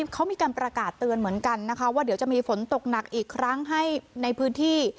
เขามีการประกาศเตือนเหมือนกันนะคะว่าเดี๋ยวจะมีฝนตกหนักอีกครั้งให้ในพื้นที่